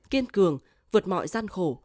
kiên cường vượt mọi gian khổ